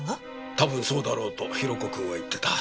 たぶんそうだろうと宏子くんは言ってた。